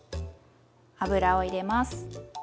油を入れます。